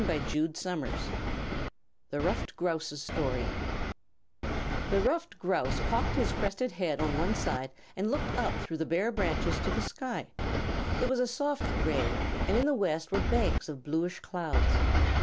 THE RUFFED GROUSE'S STORY The Ruffed Grouse cocked his crested head on one side and looked up through the bare branches to the sky. It was a soft gray, and in the west were banks of bluish clouds.